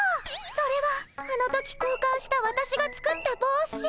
それはあの時こうかんしたわたしが作ったぼうし。